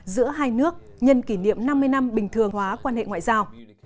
giữa hai nước nhân kỷ niệm năm mươi năm bình thường hóa quan hệ ngoại giao